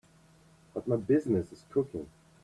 But my business is cooking.